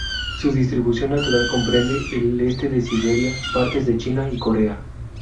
Su distribución natural comprende el este de Siberia, partes de China y Corea.